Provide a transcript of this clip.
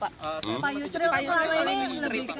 pak yusril kan selama ini